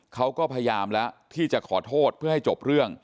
เขาก็พยายามแล้วที่จะขอโทษเพื่อให้จบเรื่อง